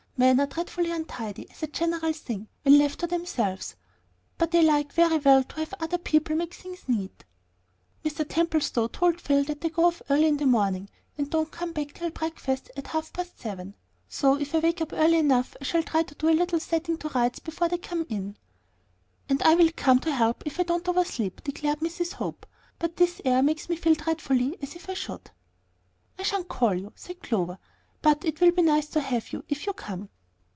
Men are dreadfully untidy, as a general thing, when left to themselves; but they like very well to have other people make things neat." "Mr. Templestowe told Phil that they go off early in the morning and don't come back till breakfast at half past seven; so if I wake early enough I shall try to do a little setting to rights before they come in." "And I'll come and help if I don't over sleep," declared Mrs. Hope; "but this air makes me feel dreadfully as if I should." "I sha'n't call you," said Clover; "but it will be nice to have you, if you come."